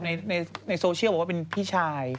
ในโซเชียลบอกว่าเป็นพี่ชาย